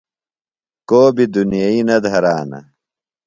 کو بیۡ دُنیئیۡ نہ دھرانہ۔